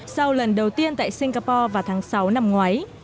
sau lần đầu tiên tại singapore vào tháng sáu năm ngoái